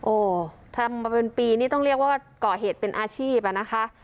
ทำมาเป็นปีนี่ต้องเรียกว่าก่อเหตุเป็นอาชีพอะนะคะ